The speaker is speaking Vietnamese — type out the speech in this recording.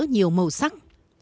nhiều màu sắc